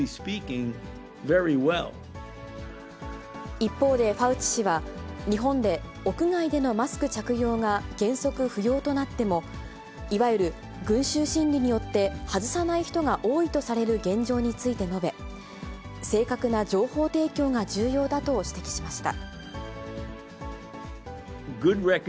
一方でファウチ氏は、日本で屋外でのマスク着用が原則不要となっても、いわゆる群集心理によって外さない人が多いとされる現状について述べ、正確な情報提供が重要だと指摘しました。